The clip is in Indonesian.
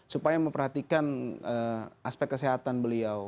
supaya memperhatikan aspek kesehatan beliau